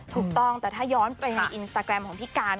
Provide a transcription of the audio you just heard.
ถูกต้องแต่ถ้าย้อนไปในอินสตาแกรมของพี่การ